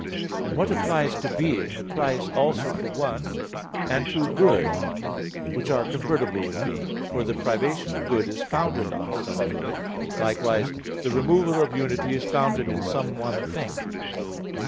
And what applies to being applies also to one and to good, which are convertible with being, for the privation of good is founded in some good; likewise the removal of unity is founded in some one thing.